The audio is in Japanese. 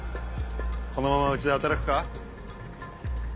このままうちで働くか？